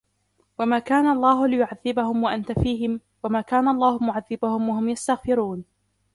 وما كان الله ليعذبهم وأنت فيهم وما كان الله معذبهم وهم يستغفرون